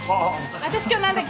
私今日なんだっけ？